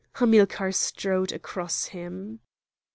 Hamilcar strode across him.